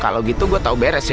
kalau gitu gue tau beres sih